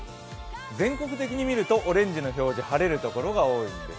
全国的に見るとオレンジの色で晴れる所が多いです。